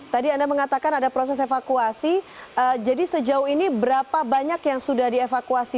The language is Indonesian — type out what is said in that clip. tadi anda mengatakan ada proses evakuasi jadi sejauh ini berapa banyak yang sudah dievakuasi